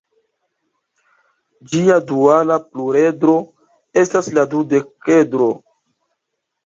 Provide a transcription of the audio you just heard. Ĝia duala pluredro estas la dudekedro.